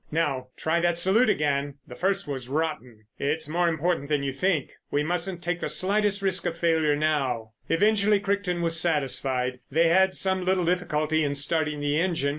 Now, try that salute again, the first was rotten. It's more important than you think. We mustn't take the slightest risk of failure now." Eventually Crichton was satisfied. They had some little difficulty in starting the engine.